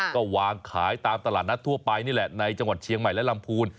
ก็วางขายตามตลาดนัดทั่วไปนี่แหละในจังหวัดเชียงใหม่และลำพูน